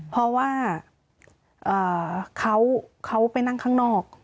เพราะว่าเขาไปนั่งข้างนอก